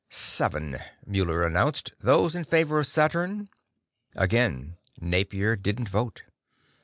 "Seven," Muller announced. "Those in favor of Saturn." Again, Napier didn't vote.